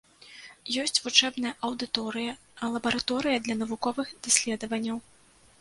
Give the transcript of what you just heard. Ёсць вучэбная аўдыторыя, лабараторыя для навуковых даследаванняў.